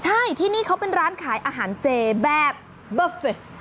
ใช่ที่นี่เขาเป็นร้านขายอาหารเจแบบเบอร์เฟค